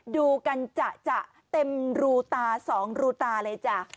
ดูกันจะเต็มรูตา๒รูตาเลยจ้ะ